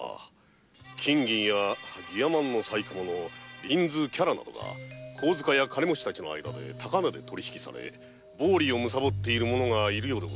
金銀やギヤマンの細工物綸子伽羅などが金持ちの間で高値で取り引きされ暴利をむさぼっている者がいるかと。